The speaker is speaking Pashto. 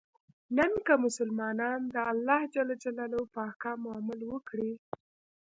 نن که مسلمانان د الله ج په احکامو عمل وکړي.